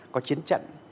có chiến trận